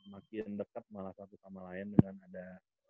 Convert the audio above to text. makin dekat malah satu sama lain dengan ada